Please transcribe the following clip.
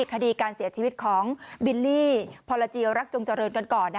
คดีการเสียชีวิตของบิลลี่พรจีรักจงเจริญกันก่อน